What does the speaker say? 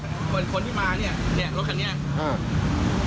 เหมือนคนที่มานี่รถคันนี้